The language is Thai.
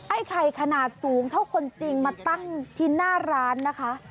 ไอ้ไข่ขนาดสูงเท่าคนจริงมาตั้งที่หน้าร้านนะคะ